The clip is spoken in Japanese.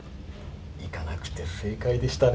行かなくて正解でしたね